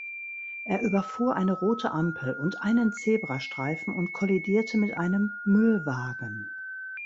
Er überfuhr eine rote Ampel und einen Zebrastreifen und kollidierte mit einem Müllwagen.